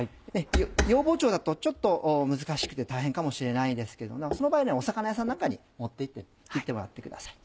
洋包丁だとちょっと難しくて大変かもしれないですけどその場合魚屋さんなんかに持って行って切ってもらってください。